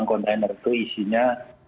container itu isinya